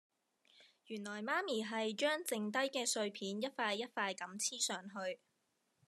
原來媽咪係將剩低嘅碎片一塊一塊咁黐上去